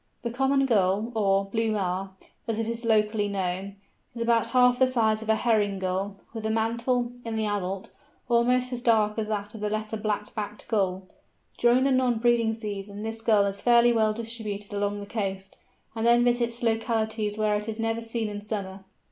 The Common Gull, or "Blue Maa," as it is locally known, is about half the size of the Herring Gull, with a mantle, in the adult, almost as dark as that of the Lesser Black backed Gull. During the non breeding season this Gull is fairly well distributed along the coast, and then visits localities where it is never seen in summer.